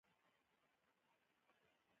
دوه ګونی اقتصادي جوړښت لري.